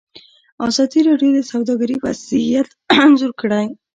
ازادي راډیو د سوداګري وضعیت انځور کړی.